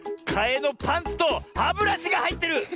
かえのパンツとハブラシがはいってる！